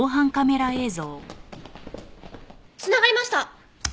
繋がりました！